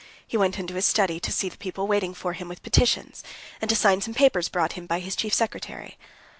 He went into his study to see the people waiting for him with petitions, and to sign some papers brought him by his chief secretary.